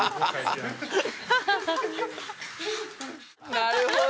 なるほど。